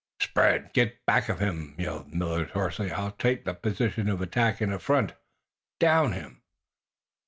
"Spread! Get in back of him!" yelled Millard, hoarsely. "I'll take the position of attack in front. Down him!"